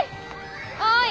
おい！